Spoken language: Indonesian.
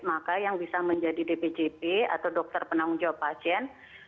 maka yang bisa menjadi dpjp atau dokter penanggung jawab pasien